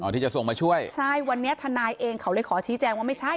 ที่จะส่งมาช่วยใช่วันนี้ทนายเองเขาเลยขอชี้แจงว่าไม่ใช่